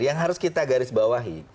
yang harus kita garisbawahi